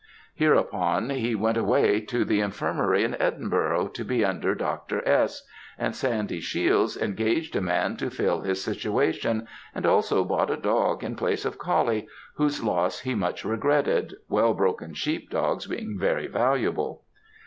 Hereupon, he went away to the infirmary in Edinburgh, to be under Dr. S.; and Sandy Shiels engaged a man to fill his situation, and also bought a dog in place of Coullie, whose loss he much regretted, well broken sheep dogs being very valuable.